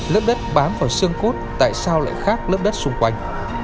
lớp đất bám vào xương cốt tại sao lại khác lớp đất xung quanh